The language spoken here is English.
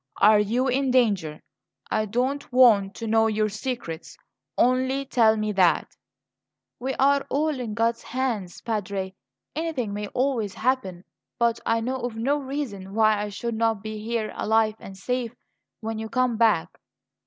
"Are you in danger? I don't want to know your secrets; only tell me that!" "We are all in God's hands, Padre; anything may always happen. But I know of no reason why I should not be here alive and safe when you come back."